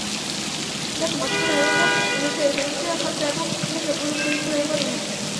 Datu masiboen erabilera industriaren zerbitzura jartzea du helburu proiektu europar honek.